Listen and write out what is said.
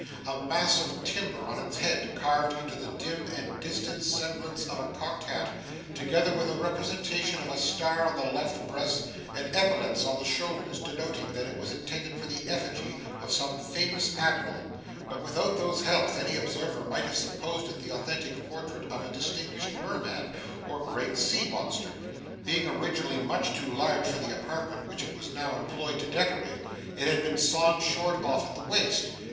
A mass of timber on its head, carved into the dim and distant semblance of a cocked hat, together with a representation of a star on the left breast and epaulettes on the shoulders, denoted that it was intended for the effigy of some famous admiral; but, without those helps, any observer might have supposed it the authentic portrait of a distinguished merman, or great sea monster. Being originally much too large for the apartment which it was now employed to decorate, it had been sawn short off at the waist.